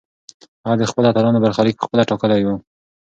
هغه د خپلو اتلانو برخلیک پخپله ټاکلی و.